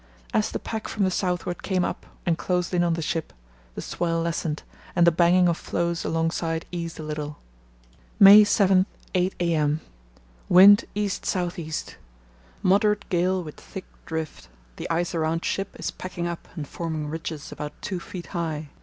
As the pack from the southward came up and closed in on the ship, the swell lessened and the banging of floes alongside eased a little. "May 7, 8 a.m.—Wind east south east. Moderate gale with thick drift. The ice around ship is packing up and forming ridges about two feet high.